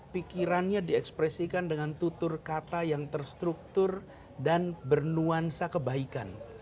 pikirannya diekspresikan dengan tutur kata yang terstruktur dan bernuansa kebaikan